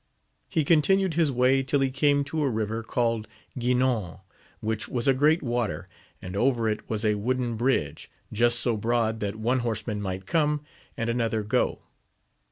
He continued his way till he came to a river called Guinon, which was a great water, and over it was a wooden bridge, just so broad that one horseman might come and another go.